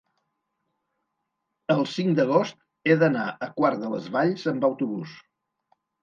El cinc d'agost he d'anar a Quart de les Valls amb autobús.